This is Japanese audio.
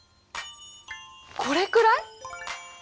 これくらい？